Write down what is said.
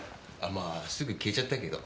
まあすぐ消えちゃったけど。